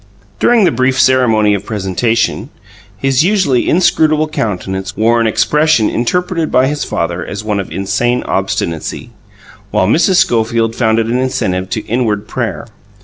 During the brief ceremony of presentation, his usually inscrutable countenance wore an expression interpreted by his father as one of insane obstinacy, while Mrs. Schofield found it an incentive to inward prayer.